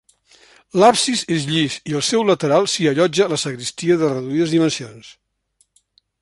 L'absis és llis i al seu lateral s'hi allotja la sagristia de reduïdes dimensions.